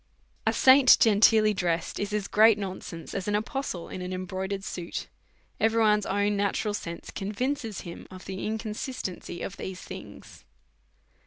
A saint genteelly dressed is as great nonsense as an apostle in an embroidered suit ; every one's own natural sense convinces him of the inconsistency of these things.